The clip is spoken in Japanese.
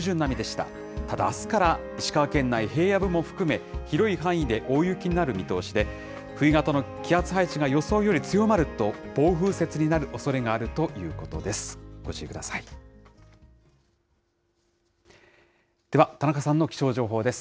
ただ、あすから石川県内、平野部も含め、広い範囲で大雪になる見通しで、冬型の気圧配置が予想より強まると、暴風雪になるおそれがあるということです。